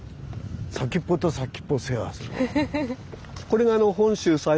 先っぽと先っぽを制覇する。